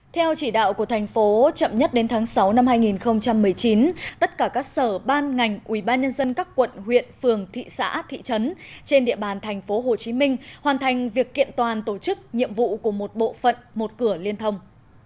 theo chỉ đạo của thành phố chậm nhất đến tháng sáu năm hai nghìn một mươi chín tất cả các sở ban ngành ủy ban nhân dân các quận huyện phường thị xã thị trấn trên địa bàn thành phố hồ chí minh hoàn thành việc kiện toàn tổ chức nhiệm vụ của một bộ phận một cửa liên thông